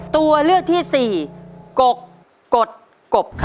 ตัวเลือกที่สี่กกดกบค่ะ